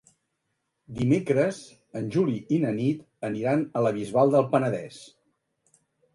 Dimecres en Juli i na Nit aniran a la Bisbal del Penedès.